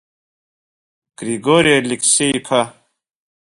Григори Алеқсеи-иԥа!